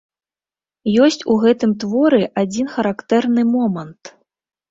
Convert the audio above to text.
Ёсць у гэтым творы адзін характэрны момант.